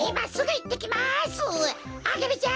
アゲルちゃん